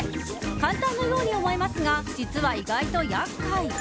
簡単なように思えますが実は意外と厄介。